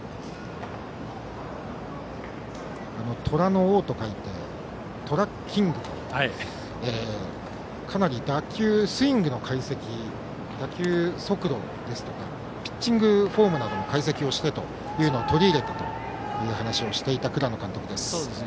「虎の王」と書いてトラッキングとかなり打球、スイングの解析打球速度ですとかピッチングフォームなどの解析をしてというのを取り入れているという話をしていた倉野監督です。